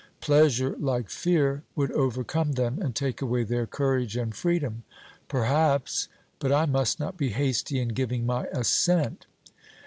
Pleasure, like fear, would overcome them and take away their courage and freedom. 'Perhaps; but I must not be hasty in giving my assent.'